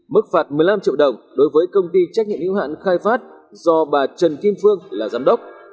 mức phạt một mươi năm triệu đồng đối với công ty trách nhiệm hữu hạn khai phát do bà trần kim phương là giám đốc